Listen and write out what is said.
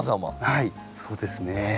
はいそうですね。